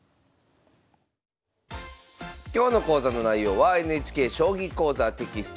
今日の講座の内容はＮＨＫ「将棋講座」テキスト